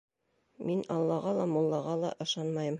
Мин аллаға ла, муллаға ла ышанмайым.